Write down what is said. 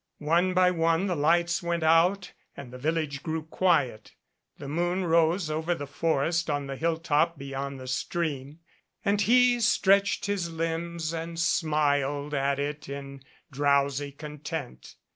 One by one the lights went out, and the village grew quiet. The moon rose over the forest on the hilltop beyond the stream, and he stretched his limbs and smiled at it in drowsy content.